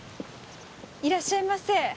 いらっしゃいませ。